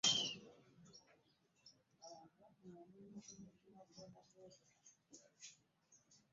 Twala ebyokulabirako bino